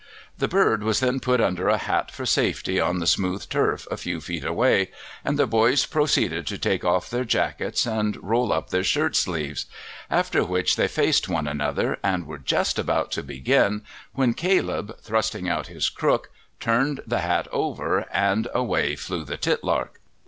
The bird was then put under a hat for safety on the smooth turf a few feet away, and the boys proceeded to take off their jackets and roll up their shirt sleeves, after which they faced one another, and were just about to begin when Caleb, thrusting out his crook, turned the hat over and away flew the titlark.